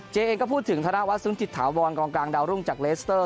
เองก็พูดถึงธนวัฒนซึ้งจิตถาวรกองกลางดาวรุ่งจากเลสเตอร์